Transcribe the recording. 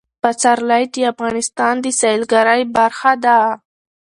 پسرلی د افغانستان د سیلګرۍ برخه ده.